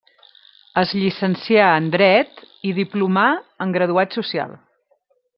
Es llicencià en dret i diplomà en graduat social.